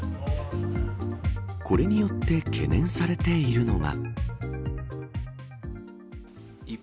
これによって懸念されているのが。